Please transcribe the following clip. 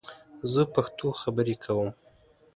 زه پښتو خبرې کوم